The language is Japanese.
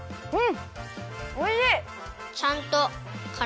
うん！